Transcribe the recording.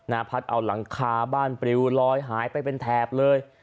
พัดเอาหลังคาบ้านปริวลอยหายไปเป็นแถบเลย